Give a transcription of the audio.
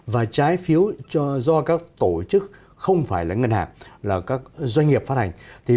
và trái phiếu do các tổ chức không phải là ngân hàng là các doanh nghiệp phát hành